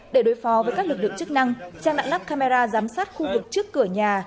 để đối phó với các lực lượng chức năng trang đã lắp camera giám sát khu vực trước cửa nhà